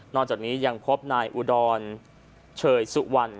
จากนี้ยังพบนายอุดรเชยสุวรรณ